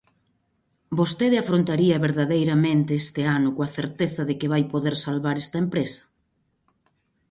¿Vostede afrontaría verdadeiramente este ano coa certeza de que vai poder salvar esta empresa?